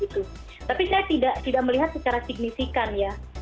tapi saya tidak melihat secara signifikan ya